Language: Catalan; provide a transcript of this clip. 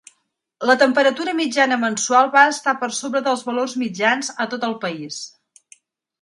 La temperatura mitjana mensual va estar per sobre dels valors mitjans a tot el país.